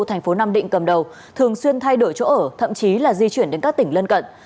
thành phố nam định cầm đầu thường xuyên thay đổi chỗ ở thậm chí là di chuyển đến các tỉnh lân cận